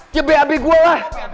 ya bab gua lah